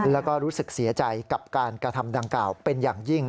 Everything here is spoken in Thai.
แล้วก็รู้สึกเสียใจกับการกระทำดังกล่าวเป็นอย่างยิ่ง